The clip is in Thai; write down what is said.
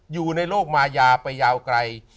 อยู่ในโลกมายาไปยาวไกล